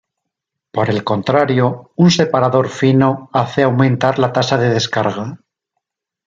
Por el contrario, un separador fino hace aumentar la tasa de descarga.